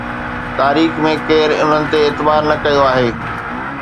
تاريخ ۾ ڪير انهن تي اعتبار نه ڪيو آهي؟